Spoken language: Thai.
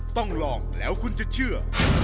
ต้องลองแล้วคุณจะเชื่อ